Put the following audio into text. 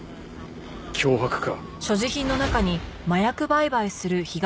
脅迫か。